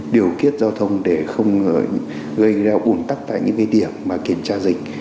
điều kiết giao thông để không gây ra ủn tắc tại những cái điểm mà kiểm tra dịch